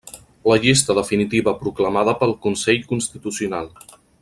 La llista definitiva proclamada pel Consell Constitucional.